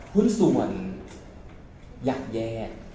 หุ้นส่วนยักแยก